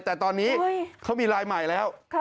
แต่ตอนนี้เขามีลายใหม่แล้ว